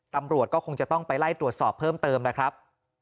ตำรวจก็คงจะต้องไปไล่ตรวจสอบเพิ่มเติมนะครับ